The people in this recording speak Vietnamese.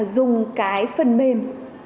dùng cái phần mềm